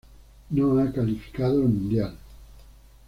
No ha calificado al mundial.